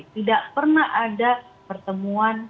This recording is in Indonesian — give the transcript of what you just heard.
tidak pernah ada pertemuan